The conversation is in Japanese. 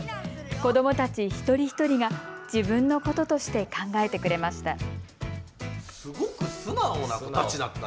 子どもたち一人一人が自分のこととして考えてくれました。